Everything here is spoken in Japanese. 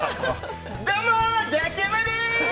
◆どうもザキヤマです。